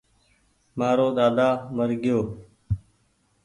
مآرو ۮاۮا مر گيوٚ